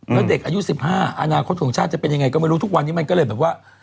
แล้วเด็กอายุ๑๕อนาคตของชาติจะเป็นยังไงก็ไม่รู้ทุกวันนี้มันก็เลยแบบว่า